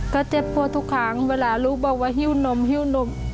ก็เจ็บปวดทุกครั้งเวลาลูกบอกว่าหิ้วนมหิ้วนม